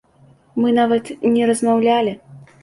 Мы нават не размаўлялі.